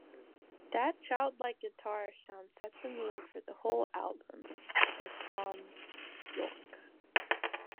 "That childlike guitar sound set the mood for the whole album", said Thom Yorke.